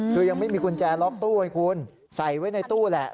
คือยังไม่มีกุญแจล็อกตู้ให้คุณใส่ไว้ในตู้แหละ